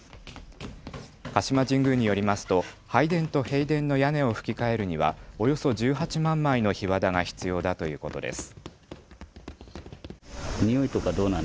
鹿島神宮によりますと拝殿と幣殿の屋根をふき替えるにはおよそ１８万枚のひわだが必要だということです。